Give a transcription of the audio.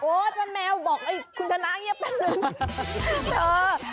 โอ้ยป้าแมวบอกคุณชนะนี้แป๊บหนึ่ง